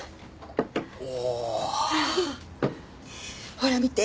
ほら見て。